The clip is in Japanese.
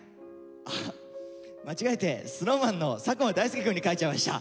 あ間違えてＳｎｏｗＭａｎの佐久間大介くんに書いちゃいました」。